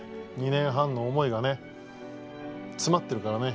２年半の思いが詰まってるからね